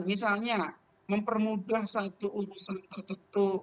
misalnya mempermudah satu urusan tertentu